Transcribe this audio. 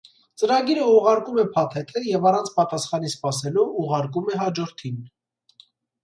Ծրագիրը ուղղարկում է փաթեթը և առանց պատասխանի սպասելու ուղարկում է հաջորդին։